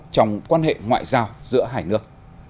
trong quan hệ ngoại giao giữa hai nước